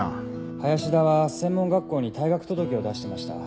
林田は専門学校に退学届を出してました。